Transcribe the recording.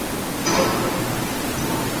চাপা গর্জন শোনা যেতে লাগল।